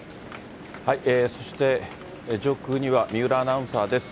そして上空には三浦アナウンサーです。